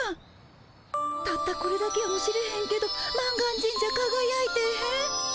たったこれだけやもしれへんけど満願神社かがやいてへん？